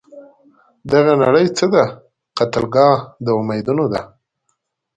دغه نړۍ څه ده؟ قتلګاه د امیدونو ده